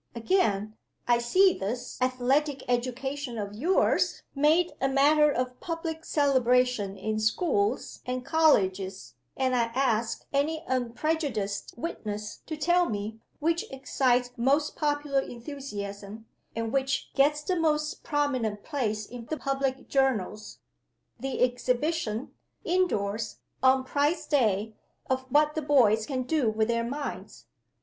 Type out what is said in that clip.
Again: I see this Athletic Education of yours made a matter of public celebration in schools and colleges; and I ask any unprejudiced witness to tell me which excites most popular enthusiasm, and which gets the most prominent place in the public journals the exhibition, indoors (on Prize day), of what the boys can do with their minds?